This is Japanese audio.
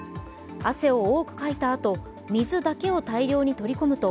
汗を多くかいたあと水だけを大量に取り込むと